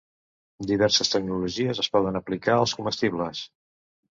Diverses tecnologies es poden aplicar als comestibles.